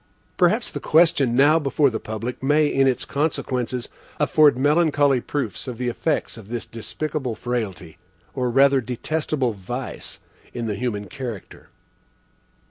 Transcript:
Perhaps the question now before the public may, in its consequences, afford melancholy proofs of the effects of this despicable frailty, or rather detestable vice, in the human character.